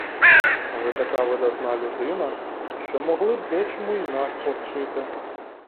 Ви така видатна людина, що могли б дечому й нас повчити.